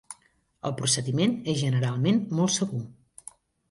El procediment és generalment molt segur.